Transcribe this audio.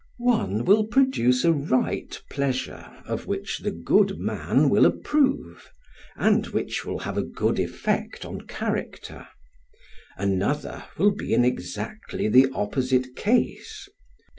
One will produce a right pleasure of which the good man will approve, and which will have a good effect on character; another will be in exactly the opposite case.